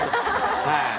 はい。